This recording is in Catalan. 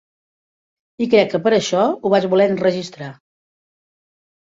I crec que per això ho vaig voler enregistrar.